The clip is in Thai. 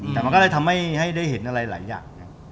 แต่มันก็เลยทำให้ได้เห็นอะไรหลายอย่าง